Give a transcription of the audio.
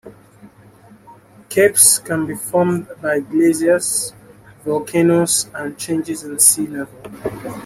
Capes can be formed by glaciers, volcanoes, and changes in sea level.